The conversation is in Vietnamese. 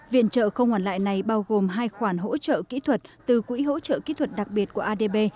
viện trợ không hoàn lại này bao gồm hai khoản hỗ trợ kỹ thuật từ quỹ hỗ trợ kỹ thuật đặc biệt của adb